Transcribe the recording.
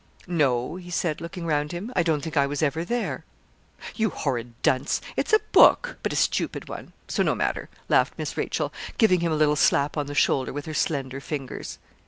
"' 'No,' he said, looking round him; 'I don't think I was ever there.' 'You horrid dunce! it's a book, but a stupid one so no matter,' laughed Miss Rachel, giving him a little slap on the shoulder with her slender fingers.